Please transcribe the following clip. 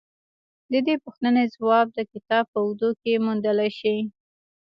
د دې پوښتنې ځواب د کتاب په اوږدو کې موندلای شئ